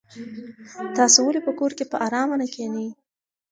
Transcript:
تاسو ولې په کور کې په ارامه نه کېنئ؟